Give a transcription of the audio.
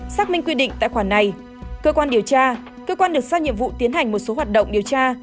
xác minh quy định tại khoản này cơ quan điều tra cơ quan được xác nhiệm vụ tiến hành một số hoạt động điều tra